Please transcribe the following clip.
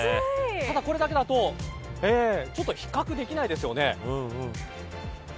ただ、これだけだと比較できないですよね。